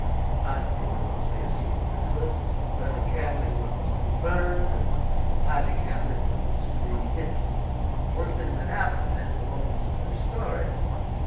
I improved those days as well as I could, burning carefully what was to be burned, and hiding carefully what was to be hidden. One thing that happened then belongs to this story.